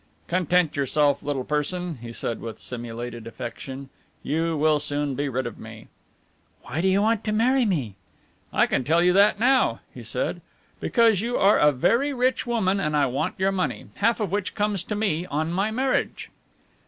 "Content yourself, little person," he said with simulated affection. "You will soon be rid of me." "Why do you want to marry me?" "I can tell you that now," he said: "Because you are a very rich woman and I want your money, half of which comes to me on my marriage."